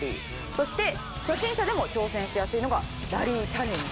そして初心者でも挑戦しやすいのがラリーチャレンジ。